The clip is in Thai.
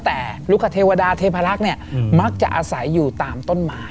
แต่ลูกคเทวดาเทพลักษณ์เนี่ยมักจะอาศัยอยู่ตามต้นไม้